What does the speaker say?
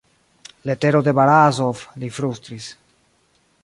Letero de Barazof, li flustris.